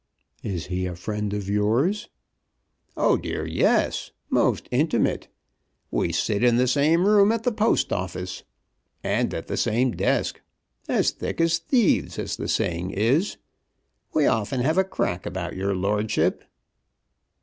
"Is he a friend of yours?" "Oh dear, yes; most intimate. We sit in the same room at the Post Office. And at the same desk, as thick as thieves, as the saying is. We often have a crack about your lordship."